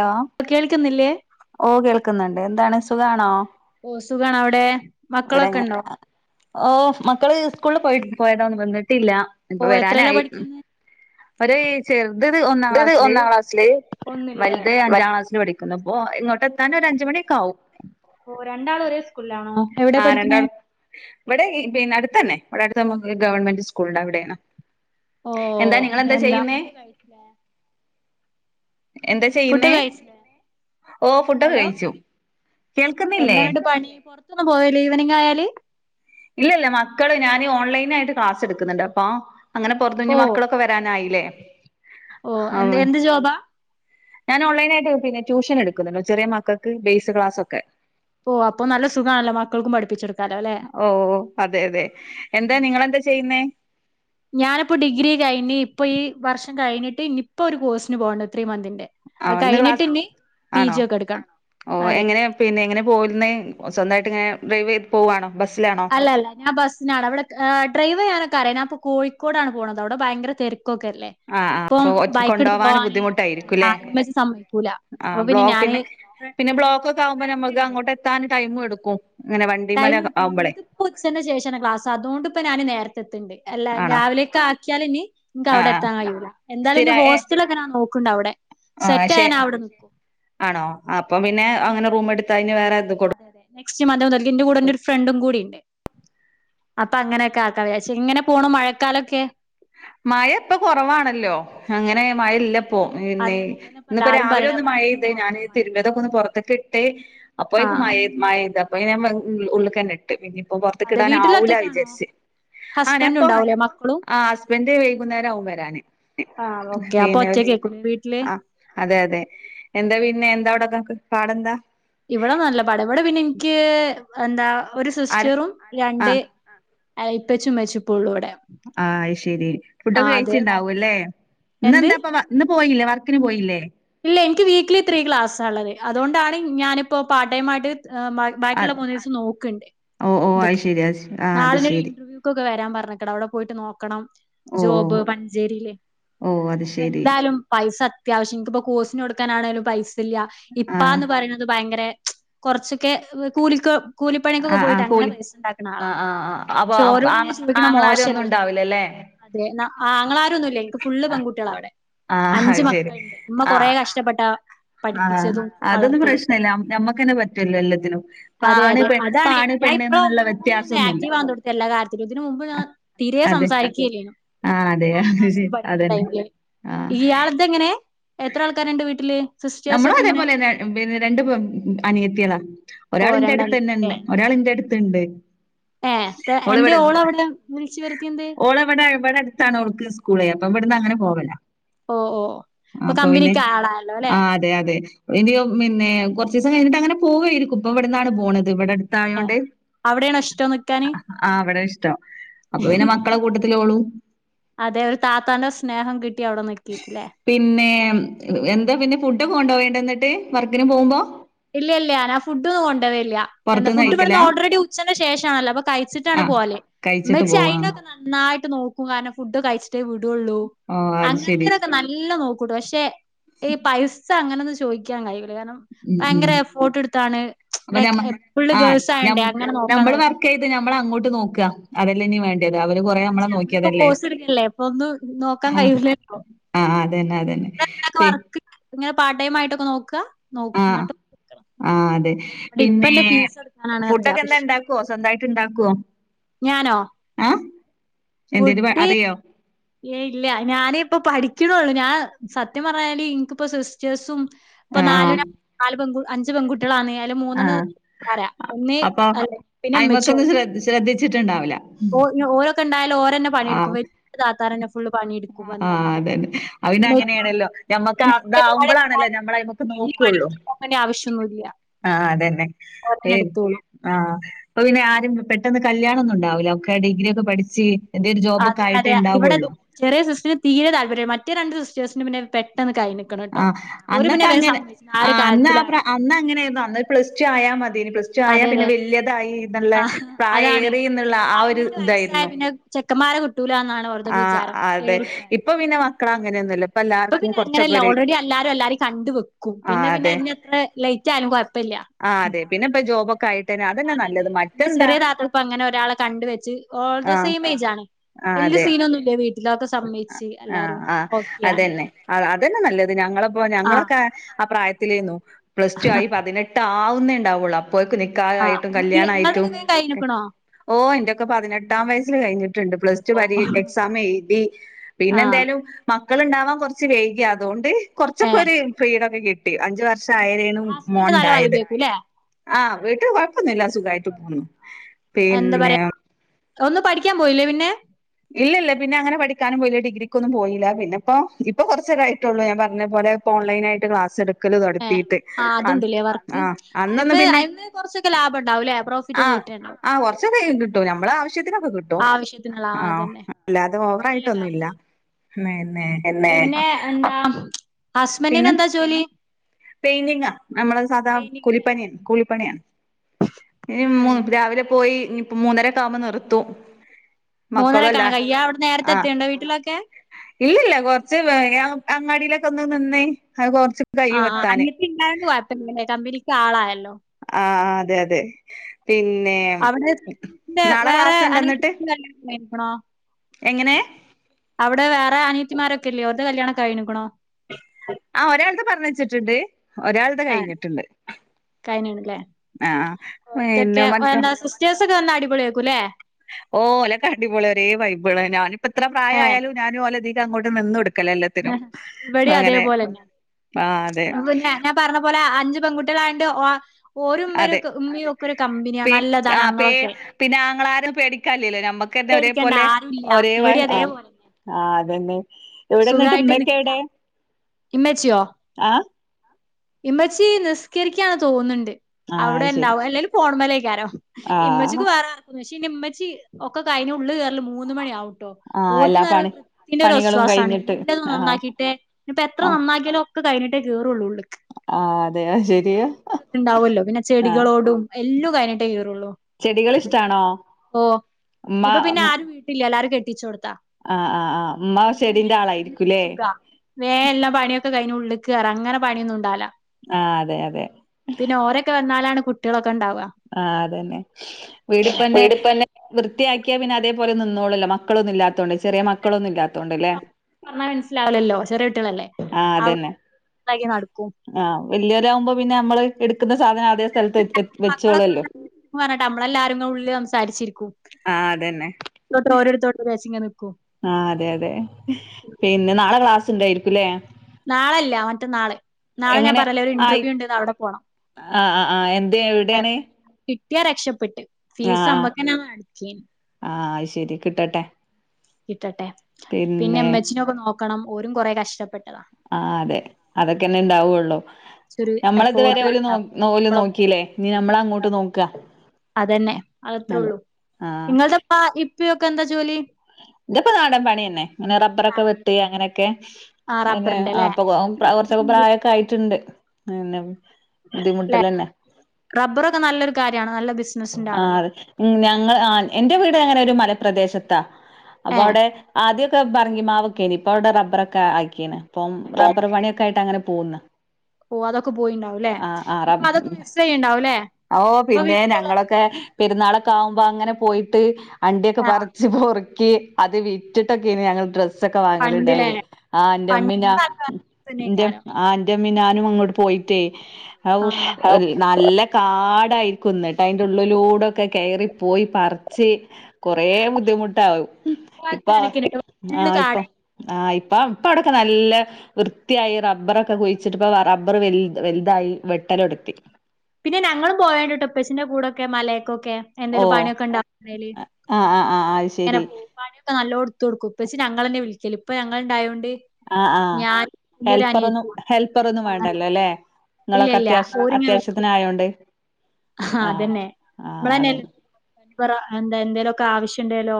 Hello കേൾക്കുന്നില്ലേ ഓ കേൾക്കുന്നുണ്ട് എന്താണ് സുഖാണോ ഓ സുഖണ അവിടെ മക്കളൊക്കെ ഇവിടെങ്ങ ഉണ്ടോ ഓ മക്കള് സ്കൂളിൽ പോയി പോയത ഒന്ന് വന്നിട്ടില്ല ഇപ്പ ഓ എത്രയല്ലാ വരാനായി പഠിക്കുന്നെ ഒ ചെറുത്ത് ഒന്നാം ക്ലാസ്സില് ഒന്നിലല്ലേ വലുതത് അഞ്ചാം ക്ലാസ്സിൽ പഠിക്കുന്നു അപ്പോ ഇങ്ങോട്ട് താന ഒ അഞ്ചുമണിയൊക്കെ ആവും ഓ രണ്ടാളും ഒരേ സ്കൂളിലാണോ എവിടെ ആ പഠിക്കണേ രണ്ടട ഇവിടെ പിന്നെ അടുത്ത തന്നെ ഇവിടെ അടുത്ത് നമു ഗവൺമെന്റ് സ്കൂള ഉണ്ട അവിടെയാണ് എന്താ നിങ്ങളെന്താ ഓന്താ ഫ ചെയ്യുന്നേ കഴ എന്താ ചെയ്യുന്നേ കഴിച്ചില്ലേ ഓ ഫുഡൊെ ഹലോ കഴിച്ചു കേൾക്കുന്നില്ലേ ഇ പോയല്ല ഈവനിങ് ആയാലല് ഇല്ലല്ല മക്കള് ഞാനീ ഓൺലൈനായിട്ട് ക്ലാസ് എടുക്കുന്നുണ്ട് അപ്പൊ അങ്ങനെ പൊറത്തുഞ്ഞ് ഓ മക്കളൊക്കെ വരാനായില്ലേ ഓ ആ എന്ത് എന്ത് ജോബാ ഞാൻ ഓൺലൈനായിട്ട് പിന്ന ട്യൂഷൻ എടുക്കുന്നുല്ലോ ചെറിയ മക്കൾക്ക് ബേസ് ക്ലാസ്സൊക്കെ ഓ അപ്പോ നല്ല സുഖമാണല്ലോ മക്കൾക്കും പഠിപ്പിചൊടുക്കും ഓ അതെ അതെ എന്താ നിങ്ങെളെന്താ ചെയ്യുന്നേ ഞാനിപ്പോ ഡിഗ്രി കഴിഞ്ഞ് ഇപ്പൊ ഈ വർഷം കഴിഞ്ഞിട്ട് ഇഞ് ഇപ്പോഒരു കോഴസിന് പോകണ്ട് ത്രീ മന്തിന്റെ ആ അ ഇന്ന് ക്ലാസ് കഴഞ്ഞിട്ടിഞ് ആണോ പീജി ഒക്കെ എടുക്കണം ഓ അതെ എങ്ങനെയ പിന്നെ എങ്ങനെ പോയിരുന്ന സ്വന്തമായിട്ട് ഇങ്ങനെ ഡ്രൈവ് പോവാണോ ബസ്സിലാണോ അല്ലല്ല ഞാൻ ബസ്സിനാണ് അവിടെ ഡ്രൈവ് ചെയ്യാൻ [unintelligible] ഞാൻ ഇപ്പോ കോഴിക്കോടാണ് പോണത് അവിടെ ഭയങ്കര തിരക്ക് ഓക്കെല്ലേ ആ ആ ഇപ്പം അപ്പൊ ബൈക്ക എടുത്ത് കൊണ്ടോവാൻ പോവാൻ ബുദ്ധിമുട്ടായിരിക്കുംല്ലേ [unintelligible] സമമ യ്ക്കൂല ആ ബ്ലോക്ക് പിന്നെ പിന്നെ ബ്ലോക്കൊക്കെ ആവുമ്പോ നമ്മക്ക് ഫ്രണ്ട്ണ്ട് അങ്ങോട്ട് എത്താൻ ടൈം എടുക്കും ഇങ്ങനെ ടൈം വണ്ടിമല എടുക്കും ആവുമ്പോളേ ഇതിപ്പോ ഉച്ചന്റെ ശേഷമാണ് ക്ലാസ് അതോണ്ട് പ്പോ ഞാന് നേരത്തെത്തണ്ട് അല്ല ആണോ രാവിലെയൊക്കെ ആക്കിയാല് ഇനി ൻക്ക് ആ അവിടെ എത്താൻ കഴിയൂല എന്താലും സ്ഥിര ഇനി ഏ ഹോസ്റ്റലെ ങ്ങനാ നോക്കുണ്ട അവിടെ ആ ശെ സെറ്റായാൽ ഞാൻ അവിടെ നിക്കും ആണോ അപ്പൊ പിന്നെ അങ്ങനെ റൂം എടുത്ത് കഴിഞ്ഞഞ് വേറെ എന്ത് കൊടുക്കും നക്സ്റ്റ് മംന്ത് മുതൽക് ന്റെ കൂടെ ന്റെ ഒരു ഫ്രണ്ടും കൂടി ഉണ്ട് അപ്പൊ അങ്ങനെയൊക്കെ ആക്കാ വിജാച്ച് ഇങ്ങനെ പോണു മഴക്കാലൊക്കെ മഴ ഇപ്പൊ കുറവാണല്ലോ അങ്ങനെ മഴ ഇല്ല പ്പോ അതെ പിന്നെ അതെ ഇതന്നെ ഇപ്പ ഇന്നപ്പോ എല്ലാരും രാവിലെ പറയണെ ഒന്ന് മഴ ഭയങ്കര പെയ്ത് ഞാന് കൊറവാ മഴ. തിരുമ്പിയതൊക്കെ ഒന്ന് പുറത്ക്കിട്ട് ഇട്ടേ അപ്പോ ആഹ് മയെ മയെയ്ത് അപ്പൊ ഞാൻ ഉള്ളുക്കെന്നിട്ട് അപ്പൊ അതെ പുറത്ത്ക്കിടാൻ വീട്ടില് ആവൂല ഒറ്റക്കാണോ? വിചാരിച്ച് ആ ഞാൻ ഹസ്ബൻഡും ഇപ്പൊ ഉണ്ടാവൂലേ മക്കളും ആ വന്തേ വൈകുന്നേരാവും വ രാൻ ആഹ് ഓക്കെ അപ്പൊ പിന്നെ ഒറ്റക്കേക്കൂലേ വീട്ടില്? ആ അതെ അതെ എന്താ പിന്നെ എന്താ അവിടെക്കക്ക് പാടന്താ ഇവിടെ നല്ല പടവിടെ പിന്നെ എനിക്ക് എന്താ ഒരു ആര് സിസ്റ്ററും രണ്ട് ആഹ് ഇപ്പച്ചുമ്മച്ചുപ്പള്ളൂടെ ആ ശരി ഫുഡൊക്കെ കഴിച്ചിട്ടുണ്ടാവൂല്ലേ ഇന്ന് എന്ത് എന്താപ്പ ഇന്ന് പോയില്ലേ വർ ത്തിന് പോയില്ലേ ഇല്ല എനിക്ക് വീക്കിലി ഇപ്പ പാർട്ടൈമായിട്ട് ബാ ബാക്കിയുള്ള അത് മൂന്നീസം നോക്കണ്ട് ഓഹ് ഓഹ് അത് ഇതൊക്കെ ശെരി അത് ആഹ് അത് ശെരി നാളിനൊരുന്റർവ്യൂക്കൊക്കെ വരാൻ പറഞ്ഞക്കണ് അവിടെ പോയിട്ട് നോക്കണം ഓ ജോബ് പഞ്ചേരിയിലെ ഓ അത് ഇപ്പ ശെരി എന്തായാലും പൈസ അത്യാവശ്യം ന്ക് പ്പോ കോഴ്സിനൊടുക്കാനാണെങ്കിൽ ഒരു പൈസല്ല ആഹ് ഇപ്പാന്ന് പറയുന്നത് ഭയങ്കര കൊറച്ചൊക്കെ കൂലിക് കൂലിപ്പണിയക്കൊക്കെ ആഹ് പോയിട്ട് ആഹ് അങ്ങനെ കൂലി പൈസ ഉണ്ടാക്കണ ആളാ ആഹ് ആഹ് പക്ഷെ ആഹ് അപ്പൊ ഓരോട് ആങ്ങ ഇങ്ങനെ ചോദിക്കണ ആങ്ങളാര് ഒന്നും മോശല്ലേ ഉണ്ടാവില്ലല്ലേ അതെ ആ ആങ്ങളാരൊന്നൂല്ല ന്ക് ഫുൾ പെൺകുട്ടികള ഇവിടെ ആ ഹ അത് ശെരി മ്മ കൊറെേ കഷ്ടപ്പെട്ടാ ആഹ അതൊന്നും പ്രശ്ന ഇല്ല ഞമ്മക്ക്ന്നെ പറ്റൂല്ലോ എല്ലാത്തിനും അതെ അതെ അതാണ് ഞാൻ ഇപ്പോഴ ഒന്നും കൂടി ഒന്ന് വ്യത്യാസൊന്നുല്ല ആക്റ്റീവ് ആവാൻ തൊട്ത്തിയെ എല്ലാ കാര്യത്തിലും ഇതിന് മുമ്പ് ഞാൻ തീരെ സം അതെ സംസാരിക്കേല്ല്യെനു ആഹ് അതെ നാലാം അത് ശരി ക്ലാസ്സ് പഠിക്കണ അതന്നെ ടൈമില് ആഹ് ഇയാളതെങ്ങനെ എത്ര ആൾക്കാരണ്ട് വീട്ടില് നമ്മളും എങ്ങനെ അതേപോലെന്നെ ബ് പിന്നെ രണ്ട് പെബ് അനിയത്തിയെള ഓ രണ്ടാൾക്കാരല്ലേ ഒരാളിന്റെട്തന്നെണ്ട് ഒരാളിന്റെ അട്ത്ത്ണ്ട് ഏഹ് ത എന്തേ ഓൾവിടെ ഓളവിടെ വിളിച്ചു വരുത്തിയെന്തേ ഒളെവിടെ വിടെ അടുത്താണ് ഓൾ സ്കൂളെ അപ്പം ഇവിടന്ന് അങ്ങനെ പോവല ഓ ഓ അപ്പൊ കമ്പനിക്ക് ആളായല്ലോ ആ അതെ അതെ ഇനി പിന്നെ കുറച്ചീസം കഴിഞ്ഞിട്ട് അങ്ങനെ പോവായിരിക്കും ഇപ്പൊ ഇവിടെന്നാണ് പോണത് ഇവിടെ അട് ഏഹ് താഴോണ്ട് അവിടെയാണോ ഇഷ്ടം നിക്കാന് ആ അവിടെ അപ്പൊ പിന്നെ മക്കളെ കൂട്ടത്തിലോളു അതെ ഒരു താത്താന്റെ സ്നേഹം കിട്ടി. അവിടെ നിക്കേക്കുല്ലേ പിനേമ് എന്താ പിന്നെ ഫുഡൊക്കെ കൊണ്ടോവെയ്ണ്ടോ ന്നിട്ട് വർക്കിന് പോകുമ്പോ? ഇല്ല ഇല്ല്യ നാ ഫുഡ് ഒന്ന് ല്ല്യാ എന്താ പൊറത്ത്ന്ന് ഫുഡ് ഇവട്ന്ന് കഴിക്കലാ? ഓൾറെഡി ഉച്ചന്റെ ശേഷാണല്ലോ അപ്പൊ കഴിച്ചിട്ടാണ് ആ പോവല്. കഴിച്ചിട്ട് മ്മെഛെ പോവാ. അയിന്ൊക്കെ നന്നായിട്ട് നോക്കും കാരണം ഫുഡ് കഴിച്ച് ഇ വിടുള്ളൂ ഓ അത് ശരി. അങ്ങനത്തെൊനൊക്കേ നല്ല നോക്കൂട്ടൂ പക്ഷെ ഈ പൈസ് ച്ചാങ്ങനൊന്നും ചോയിക്യാൻ കഴില്ല കാരണം ഭയങ്കര എഫോർട്ട്ട്ത്താണ്. അപ്പൊഞമ്മക്ക്‌ ആ ഞമ് നമ്മൾ നോക്കാന്ന് വർകെയ്ത് ഞമ്മൾ അങ്ങോട്ട് നോക്കാ അതെല്ലേ നീ വേണ്ടിയത്. അവര് കൊറേ അമ്മളെ പക്ഷെ നമ്മളിപ്പോ നോക്കിയതല്ലേ കോഴ്സ് എടുക്കല്ലേ ഇപ്പൊ ഒന്നും നോക്കാൻ ഹാ ആ അതന്നെ അതന്നെ. പി നെ [inaudible] പാർട്ട് ടൈം ആയിട്ടൊക്കെ നോക്കാ നോക് ആ ഇങ്ങട് ആ അതെ പിനേ അടക്കാനാണ് അത്യാവശ്യം ഫുഡൊക്കെണ്ടാക്കോ സ്വന്തായിട്ട് ണ്ടാക്കോ? ഞാനോ? എന്തേലും വ- ഫുഡ് അറിയോ ഏ ഇല്ല ഞാനീപ്പ പഠിക്കണേള്ളൂ. ഞാൻ സത്യം പറഞ്ഞ്കഴിഞ്ഞാല് ഇൻക്ക്‌പ്പോ സിസ്റ്റേഴ്സും ഇപ്പോ ആ നാല് നാല് പെൺ ക്കു അഞ്ച് പെൺകു ളാണെ അയില് ആ ആ. മൂന്നെണ് പര ഒന്ന് അപ്പൊ അെല്ല പിന്നെമ്മച്യോം അയിമക്കൊന്നും ശ്ര ശ്രദ്ധിച്ചിട്ടുണ്ടാവില്ല ഓ ഓരൊക്കെ ഉണ്ടായി ഓരന്നെ ആ പണിയെടുക്കും വീ [inaudible] താത്താർന്നെ ഫുള്ളും പണിയെടുക്കും ആ വന്നാൽ അതന്നെ അത് പിന്നെ അങ്ങനെയാണല്ലോ [unintelligible] ഞമ്മക്ക് ഇതാവുമ്പളാണല്ലോ ഞമ്മള് അയിമക്ക് നോക്കുള്ളൂ എെ [inaudible] ആവശ്യൊന്നുമല്ല ആ അതന്നെ ഏ ആ അപ്പൊ പിന്നെ ആരും പെട്ടെന്ന് കല്യാണോന്നും ഉണ്ടാവില്ല ഒക്കെ ഡിഗ്രിയൊക്കേ പഠിച്ച്. എന്തേലും ജോബൊക്കെ അതെ അതെ ആയിട്ടേ ഇവിടെ ഇണ്ടാവുള്ളൂ ചെറിയ സിസ്റ്റർ തീരെ താല്പര്യംഇല്ല മറ്റേ രണ്ട് സിസ്റ്റേഴ്സിിനന് പിന്നെ പെട്ടെന്ന് കൈ നിക്കണം ട്ടോ ആഹ് ഓര് പിന്നെ അന്നൊക്കെ വേം അങ്ങനെ സമ്മതിച്ചു ആ ഒരു അന്ന് കാര്യത്തിലായോണ്ട് അന്ന് അങ്ങനെയായിരുന്നു അന്ന് പ്ലസ് ടു ആയാമതി. തിന് പ്ലസ് ടു ആയാ അതെ അതെ പിന്നെ വെല്ല്യാ യതായി എന്നുള്ള ആഹ് പ്രായ അതാണ് ഏറീന്ന് ള്ള ആ ഒരു ഇതായിരുന്നു. ചെക്കമ്മാരെ ക് ആ അതെ ഇപ്പൊ പിന്നെ മക്കളങ്ങനെയൊന്നുല്ല ഇപ്പോപ്പിനങ്ങനെല്ല ഓൾറെഡി എല്ലാരു എല്ലാരേ കണ്ട് വെക്കും പിന്നെ ആഹ് പിന്നെ അതെ അ അത്ര ലേറ്റ് ആയാലുംകൊയപ്പെല്യ. ആഹ് അതെ പിന്നെ ഇപ്പ ജോബൊക്കെ ആയിട്ടന്നെ അ അതന്നെ നല്ലത് ന്റെ മറ്റെന്താ ചെറിയനാത്തൂന് ഇപ്പ അങ്ങനെ ഒരാളെ കണ്ട്വെച്ച് ഓ ള്ത് ആഹ് സെയിമേജാന് ആഹ് അതെ എല്ല്സീനൊന്നുംല്ല വീട്ടിലൊക്കെ സമ്മയിച്ച് എല്ലാരും ഓക്കെയാണ്. അ അതന്നെ നല്ലത് ഞങ്ങളെ അപ്പോൊ ആഹ് ഞങ്ങളൊക്കേ ആ പ്രായത്തിലേന്നു പ്ലസ് ടു ആയി പതിനെട്ട് ആവുന്നേണ്ടാവുള്ളൂ അ പോയിക് നിക്കാ ആഹ് ആായിട്ടും കല്യാണായിട്ടും ഇങ്ങൾതൊക്കെ വേം കഴിഞ്ഞ്ക്ക്ണോ ഓ ഇന്റെയൊക്കെ പതിനെട്ടാം വയസ്സിൽ കഴിഞ്ഞി ണ്ട് പ്ലസ്ടു പരീ എക്സാം എഴുതി ആഹ് പിന്നെന്തേനു അഹ് മക്കള്ണ്ടാവാൻ കുറച്ച് വൈകി അതോണ്ട് ഏഹ് കുർച്ചൊക്കോര് ഫ്രീടൊക്കെ കിട്ടി അഞ്ചുവർഷായേരാണ് ഹസ്ബൻഡ് നല്ല മോൻണ്ടായത്. വൈബേക്കുംല്ലേ ആഹ് വീട്ടിൽ കൊഴപ്പൊന്നുല്ല സുഖമായിട്ട് പോന്നു പിന്നെ. ഒന്ന് പഠിക്കാൻ പോയില്ലേ പിന്നെ. ഇല്ല ഇല്ല പിന്നെ അങ്ങനെ പഠിക്കാനും പോയില്ലാ ഡിഗ്രിക്കൊന്നും പോയില്ല പിന്നെപ്പോ ഇപ്പൊ കൊറച്ചതായിട്ടുള്ളൂ ഞാൻ പറഞ്ഞപോലെ പ്പൊ ഓൺലൈനായി്ട്ട് ക്ലസ് എട് എ ആ ത്ണ്ടല്ലേ വർക്ക് ആഹ് അന്നൊന്നും അയിമേ പിന്നെ അയിമേ കൊറച്ചൊക്കെ ലാഭണ്ടാവു ല്ലേ ഫ റ്റ്ക്ക്‌ കിട്യേണ്ടാവു അത്ഏ കിട്ടൂ നമ്മള ആവശ്യത്തിനൊക്കെ കിട്ടും ആവശ്യത്തിനുള്ള ആ ആഹ് അതന്നെ ല്ലാതെ നല്ല ഓവറായിട്ടൊന്നുല്ല. കാര്യാണ് മേ ന്നെ അഹ് പിന്നെ എന്താ ഹസ്ബൻഡിന് പിന്നെ എന്താ ജോലി പെയിന്റിങ്ങാ അമ്മള് സാധാ പെയിന്റിങ്ങിലെ കുലിപ്പണിയെന്നെ കൂലി പ്പണിയ ഈ മൂ രാവിലെ പോയി ഇനിപ്പ മൂന്നരക്കാക്കുമ്പോ നിർത്തു മൂന്നരക്കാണ് ഇയ്യ് അവിടെന്ന് നേരത്തെ ത്തേണ്ടോ വീട്ടിലൊക്കെ ഇല്ലല്ല കുറച്ച് അങ്ങാടിയിലൊക്കെ ഒന്ന് നിന്നേ അത് കൊറ ആ ആ അനിയത്തിണ്ടായോണ്ട് യെ- പ്പല്യ കമ്പനിക്ക് ആളായല്ലോ. ആ അതെ അതെ. പിന്നെ അവിടെ നാളെ വേറെ ക്ലാസ് ഇണ്ടോ അനി എന്നിട്ട് [unintelligible] ണോ എങ്ങനെ അവിടെ വേറെ അനിയത്തിമാരൊക്കെല്യേ ഒൽത് കല്യാണൊക്കേ കയിഞ്ഞിക്ക്ണോ? ആഹ് ഒരാളത് പറഞ്ഞ വച്ചിട്ടുണ്ട്. ഒരാളത് കഴിഞ്ഞിട്ടുണ്ട്. കഴഞ്ഞണല്ലേ ആഹ് പിന്നെ ഇതൊക്കെ എന്നാ സിസ്റ്റേഴ്സൊക്കെ വന്ന അടിപൊളി ആക്കും അല്ലേ. ഓലക്ക അടിപൊളെ ഒരേ വൈബിള് ഞാനിപ്പോ എത്ര പ്രായ ഏ ആയാലും ഞാനും ഓലതില് അങ്ങോട്ട് നിന്ന്ടുക്കും. ഇവിടെ അതേപോലെന്ന ആ അതെ പിന്നെ ഞാൻ പറഞ്ഞ പോലെ അഞ്ച് പെൺകുട്ടികളായണ്ട് ഓരും ഉമ്മരു അതെ ഉമ്മ ഒക്കെ ഒരു കമ്പനിയാ നല്ലതാണ് അങ്ങളൊക്കെ പേടിക്കല്ലോ ഞമ്മക്ക്ന്നെ ഒരേ പേടിക്കേണ്ട പോലെ ആരുല്ല ഒരേ ഇവിടെ അതേപോലെന്നെ ആ അതന്നെ. എവിടെന്നട്ട ഉമ്മയൊക്കെ എവിടെ? ഇമ്മ ആഹ് ഇമ്മച്ചി നിസ്കരിക്കാണ് തോന്നുന്നുണ്ട്. ആ അവിടെ അത് ശരി ഉണ്ടാവും അല്ലെങ്കി ഫോൺമലേക്ക ആരോ ആ ഇമ്മച്ചിക്ക് വേറെ ആർക്കൊ പക്ഷമ്മച്ചി ഒക്കെ കൈഞ്ഞ ഉള്ളി കേറല മൂന്ന് മണിയാവും. ട്ടൊ ആ ഓരിക്ക് എല്ലാ പറയ പണി വൃത്തിന്റെ ഒരു പണികളും വൊസ്വാസണ്. കഴിഞ്ഞിട്ട് എന്റെും ആ നന്നാക്കിയിട്ട് ഇനിപ്പോ എത്ര ആ നന്നാക്കിയാലും ഒക്കെ കഴിഞ്ഞിട്ടേ കേറുള്ളൂ ഉള്ള്ക്ക്. ആ അതെ അത് ശരിയാ അങ്ങനത്തെ ഇത്ണ്ടാവല്ലോ പിന്നെ ആ ചെടികളോടും എല്ലോം കഴഞ്ഞിട്ടെ കെ റുള്ളു ചെടികൾ ഇഷ്ടാണോ ഉമ്മ ഇപ്പ പിന്നെ ഉം ആരും വീട്ടില്ല എല്ലാരും കെ ആ ആ ആ ഉമ്മ അപ്പൊ പിന്നെ ചെടിന്റെ ഇന്നിപ്പോ ആളായിരിക്കുംല്ലേ സുഖാ എല്ലാം പണിയക്കെ ക ഉള്ള്ക്കെറ അങ്ങനെ പണിയൊന്നും ഉണ്ടാവില്ല. ആഹ് അതെ അതെ പിന്നെ ഓരൊക്കെ വന്നാലാണ് കുട്ടികളൊക്കെ ഇണ്ടാവാ. ആഹ് അതന്നെ വീടിപ്പന്നെ വൃത്തിയാക്കിയാ പിന്നെ അതേ പോ നിന്നോള്ളല്ല മക്കളൊന്നുംല്ലാത്തോണ്ട് ചെറിയ മക്കളൊന്ന ഇല്ലാ പറഞ്ഞാ മനസ്സിലാവലല്ലോ ചെറിയട്ടികളല്ലേ. ആഹ് അതന്നെ ആഹ് വലിയവരാകുമ്പോ പിന്നെ നമ്മള് എടുക്കുന്ന സാധനം അതേ സ്ഥലത്ത് വെ മക്കളൊക്കെ വെച്ചോളല്ലോ പറഞ്ഞട്ട് നമ്മളെല്ലാരും ഉള്ളിലങ്ങനെ സംസാരിച്ചിരിക്കും. ആഹ് ഇോട്ട് ഓരോരുത്തോട്ട രങ്ങ നി [unintelligible] ആ അതെ അതെ പിന്നെ നാളെ ക്ലാസ് ഉണ്ടായിരിക്കുംല്ലേ. നാളല്ല മറ്റന്നാള് നാളെ ഞാൻ പറയലേ ഒരു ഇന്റർവ്യൂ ഉണ്ട്ന്ന് അവിടെ പോണം. ആ ആ ആഹ് എന്ത് എവിടെയാണ്? കിട്ടിയാ രക്ഷപ്പെട്ട് ആഹ് ഫീസ് ആഹ് അമ്മക്കന്ന അടുക്കെനി. ആഹ് ശരി കിട്ടട്ടെ. കിട്ടട്ടെ പിന്നെ എമ്മച്ചിനൊക്കെ നോക്കണം ഓരും കുറെ കഷ്ടപ്പെട്ടതാ. ആ അതെ അതൊക്കെന്നെ ഇണ്ടാവുള്ളൂ. കൊറച്ചൊരു നമ്മള ഇതുവരെ എഫോർട്ട് ഓല് നോ നോക്കില്ലേ ഇനി നമ്മളങ്ങോട്ട് നോക്ക. അതെന്നെ അത്രേ അതെ ഉള്ളൂ. ആഹ് നിങ്ങളുടെ പ ഇപ്പ ഒക്കെ എന്താ ജോലി? ഇന്റെപ്പപ്പോ നാടൻ പണിന്നെ അങ്ങനെ റബറൊക്കെ വെട്ട അങ്ങനെ ക്കെ ആ പിന്നെ റബ്ബറിന്റെ ല്ലേ? ആപ്പൊ കുറച്ചൊക്കെ പ്രായൊക്കെ ആയിട്ടുണ്ട്. പിന്നെ അല്ല ബുദ്ധിമുട്ടലന്നെ റബ്ബറൊക്കെ നല്ലൊരു കാര്യാണ് നല്ല ബി ആ അത ഞങ്ങ ആ എന്റെ വീട് അങ്ങനെ ഒരു മലപ്രദേശത്താ. അപ്പൊ ഏഹ് അവിടെ ആദ്യൊക്കെ ബറങ്ങി മാവൊക്കെന് ഇപ്പ അവിടെ റബ്ബറൊക്കെ ആക്കിയന അപ്പം റബ്ബർ പണിയൊക്കെ ആയിട്ട് അങ്ങനെ പോകുന്നു. ഓഹ് അതൊക്കെ പോയിണ്ടാവും ല്ലെ ഇപ്പൊ അതൊക്കെ മിസ് ചെയുണ്ടാവു ല്ലേ. ഓഹ് പിന്നെ ഞങ്ങളൊക്കെ പെരുന്നാളൊക്കെ ആകുമ്പോ അങ്ങനെ പോയിട്ട് അണ്ടിയൊക്കെ ആഹ് പറിച്ച് പൊറുക്കി അത് വിറ്റിട്ടൊക്കെ ഞങ്ങൾ ഡ്രസ് സൊക്കെ പണ്ട്ലേ വാങ്ങലണ്ടായിന് ആഹ് ഇന്റെ മ്മ ഞ പണ്ടത്തെ ആൾക്കാര് ന്റെ തന്നെയ്ക്കാരം ആഹ് ന്റെ മ്മി ഞാനും അങ്ങോട്ട് പോയിട്ടേ ഏഹ് ആഹ് നല്ല ആടായിരിക്കുന്നു ട്ട് അയ്ന്റെ ഉള്ളൂലൂടെ ക്കെ കേറി പോയി പറച്ച് കൊറേ ബുദ്ധിമുട്ടാവും ഇപ്പത്തെ കാലത്ത് ഇപ്പൊ അങ്ങനെയൊക്കെയല്ലട്ടോ ഫുള്ള് ആഹ് ഇപ്പൊ കാട് ആഹ് പ്പ ഇപ്പ അടൊക്കെ നല്ല വൃത്തിയായി റബ്ബറൊക്കെ കുഴിച്ചിട്ട് റബ്ബർ വൽ വൽതായി വെട്ട [unintelligible] പിന്ന ഞങ്ങളും പോയോണ്ടിട്ട ഇപ്പച്ചിന്റെ കൂടെ ക്കെ മല കൊ ക്കെ എന്തെലും ഓഹ് പണിയൊക്കെ ഉണ്ടല് ആഹ് ആഹ് ആഹ് അത് ഇങ്ങനെ ശരി പണിയൊക്കെ നല്ലോ തോട്ക്കും ഇപ്പച്ചി ഞങ്ങളെ ന്നെ വിക്കൽ ഇപ്പ ഞങ്ങള ഉണ്ടായോണ്ട് ആഹ് ആഹ് ഹെൽപ്പറോന്നും ഹെൽപ്പർ ഒന്നും വേണ്ടല്ലോ ല്ലേ നിങ്ങളൊക്കെ ഇല്ലല്ല അത്യാശ് ഓരിങ്ങനെ വിളിക്കും അത്യാവശ്യത്തിന് ആയോണ്ട് ആഹ് അതന്നെ ആഹ് നമ്മള ന്നെ അതന്നെ പറ എന്താ എന്തേലൊക്കെ ആവശ്യം ഉണ്ടലോ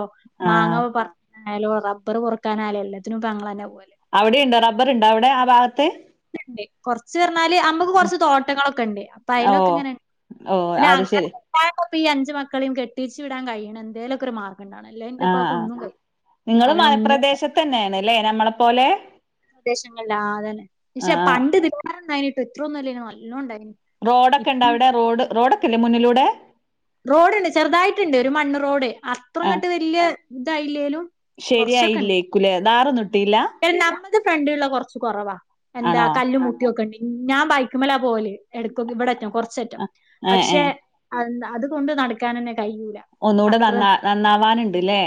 ആഹ് മാങ്ങ പറ ആയാലും റബ്ബർ പോറകാനായാലും എല്ലത്തിനും ഞങ്ങൾ ന്നെ പോവൽ അവിടെ ഇണ്ടോ റബ്ബർ ണ്ടോ അവിടെ ആ ഭാഗത്ത് കൊറച്ച് പറഞ്ഞാല് അമ്മക്ക് ഉം കൊർച്ച് തോട്ടങ്ങളൊക്കെ ഉണ്ട് അപ്പൊ അയ്ലൊക്കെ ഓഹ് ഇങ്ങനെ ഓഹ് അത് ശരി അപ്പൊ അഞ്ച് മക്കളും കെട്ടിച്ച് വിടാൻ കഴിയണം എന്തേലൊക്കെ ഒരു മാ അത് കൊണ്ടാണല്ലോ ഇന്റെ ആഹ് ഉപ്പാക്ക് ആഹ് ഒന്നും കയി നിങ്ങള് അയിനൊന്നിനും [unintelligible] മലപ്രദേശത്ത് തന്നെയാണ്ല്ലേ നമ്മളെ പോലെ പ്രദേശങ്ങളില് ആഹ് അതന്നെ പക്ഷെ ആഹ് പണ്ട് ഇതിങ്ങനെ [unintelligible] ഇത്രയൊന്നും അല്ലേയ്നി നല് നല്ലോം ഇണ്ടായിനി റോഡൊക്കെ ഇപ്പ ഇണ്ടാ അവിടെ റോഡ് റോഡൊക്കെ ഇല്ലേ മുന്നിലൂടെ? റോഡ് ഇണ്ട് ചെറുതായിട്ടുണ്ട് ഒരു മണ്ണ് റോഡ് അത്ര ഇങ്ങട്ട് വെല്യ ഇതായില്ലേലും ശരിയായില്ലേക്കുലെ ഥാറൊന്നും ഇട്ട് അയിന് നമ്മക്ക് ഫ്രണ്ടില്ള്ള കൊറച്ച് കൊറവാ എന്താ ആണോ കല്ലറും മുട്ടിയൊക്കെ [unintelligible] ഞാൻ ബൈക്കുമ്മലാ പോവല് എടക്കൊക്ക് ഇവിടെറ്റം കൊറച്ചറ്റം ഏഹ് പക്ഷെ ഏഹ് അതെന്താ അതുകൊണ്ട് നടക്കാനെന്നെ ഒന്നൂടെ നന്നാ നന്നാവാനുണ്ട്ല്ലേ?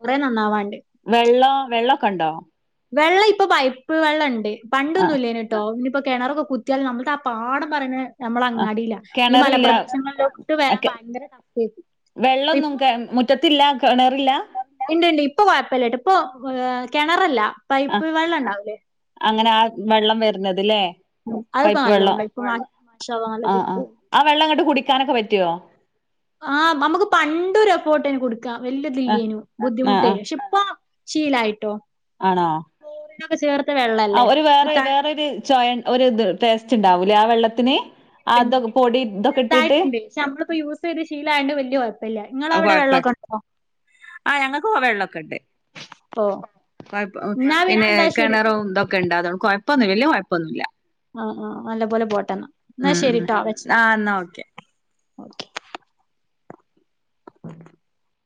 കൊറെ നന്നാവാന്ണ്ട് വെള്ളോ വെള്ളൊക്കെ ഉണ്ടോ? വെള്ളം ഇപ്പൊ പൈപ്പ് വെള്ളം ഇണ്ട് ആഹ് പണ്ടൊന്നുല്ലേന് ട്ടോ ഇനിപ് ഇപ്പൊ കെണറൊക്കെ കുത്തിയാലും നമ്മളത് ആ പാഠം [unintelligible] ആഹ് ഞമ്മളങ്ങാടീലാ ഈ കിണറില്ല മലപ്രദേശങ്ങളിലോട്ട് വരാൻ ഒക്കെ ഭയങ്കര ടഫായിരിക്കും വെള്ളൊന്നും ഇപ്പൊ കെ മുറ്റത്തില്ല കെണറില്ല? ഇണ്ട് ഇണ്ട് ഇപ്പൊ കൊയപ്പല്ലാട്ടോ ഇപ്പൊ ഏഹ് കെണറല്ല പൈപ്പ് ആഹ് വെള്ളം ഉണ്ടാവൂലേ? അങ്ങനെ ആ വെള്ളം വെരുന്നത് ല്ലേ അതിപ്പോ പൈപ്പ് വെള്ളം നല്ലോണ്ടാ ഇപ്പൊ മാഷാഅള്ളാ ആഹ് നല്ലതീക്ക് പോവും ആഹ് ആ വെള്ളം ഇങ്ങട്ട് കുടിക്ക് ടിക്കാനൊക്കെ പറ്റുവോ? ആഹ് നമ്മക്ക് പണ്ട് ഒരു എഫേട്ടേന് കുടിക്കാൻ ആഹ് വെല്ല്യതില്ലേനു ആഹ് ബുദ്ധിമുട്ടേനു ആഹ് പക്ഷെ ഇപ്പ ശീലായിട്ടോ ആണോ ക്ലോറിനൊക്കെ ചേർത്ത വെള്ളല്ലേ ആഹ് ഒരു വേറെ ത- വേറൊരു ചൊയ ഇണ്ട് ഒരുത് ടേസ്റ്റ് ഇണ്ടാവൂല്ലേ ആ വെള്ളത്തിന് അതൊക് പൊടി ഇതൊക്കെ ഇട്ടിട്ട് ചെറുതായിട്ടുണ്ട് പക്ഷെ നമ്മളിപ്പോ യൂസ് ചെയ്ത് ശീലായോണ്ട് വല്യ കുഴപ്പല്ല അത് ഇങ്ങളവിടെ കൊഴപ്പ വെള്ളൊക്കെ ഉണ്ടോ ആ ഞങ്ങൾക്ക് ഇപ്പൊ വെള്ളമൊക്കെയിണ്ട് ഓ എന്നാ പിന്നെ പിന്നെന്താ ശരിട്ടോ കെണറും ഇതൊക്കെ ഉണ്ടാതൊ കുഴപ്പൊന്നും വല്യ കൊഴപ്പൊന്നുല്ല ആഹ് ആഹ് നല്ല പോലെ പോട്ടെന്നാ എന്നാ ഉം ഉം ശരിട്ടോ ആ എന്നാ ഓക്കെ ആ